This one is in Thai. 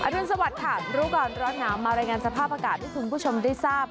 รุนสวัสดิ์ค่ะรู้ก่อนร้อนหนาวมารายงานสภาพอากาศให้คุณผู้ชมได้ทราบ